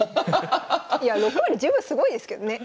いや６割十分すごいですけどね。